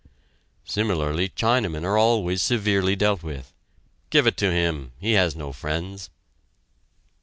Similarly Chinamen are always severely dealt with. Give it to him! He has no friends!